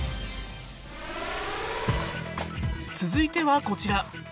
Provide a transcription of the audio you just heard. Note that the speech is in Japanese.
続いてはこちら。